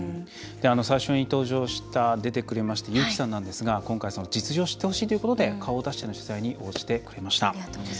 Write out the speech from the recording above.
最初に出てくれました優輝さんなんですが、今回実情を知ってほしいということで顔を出しての取材に応じてくれました。